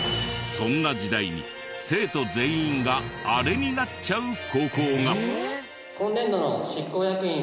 そんな時代に生徒全員があれになっちゃう高校が！